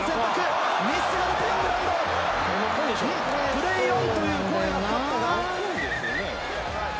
プレーオンという声が聞こえたが。